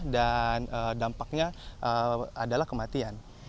dan dampaknya adalah kematian